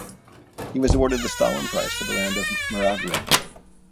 He was awarded the Stalin Prize for "The Land of Muravia".